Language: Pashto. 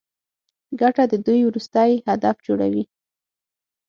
ګټه د دوی وروستی هدف جوړوي